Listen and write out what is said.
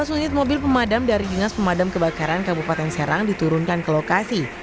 lima belas unit mobil pemadam dari dinas pemadam kebakaran kabupaten serang diturunkan ke lokasi